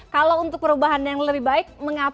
kalau untuk perubahan yang lebih baik mengapa tidak ya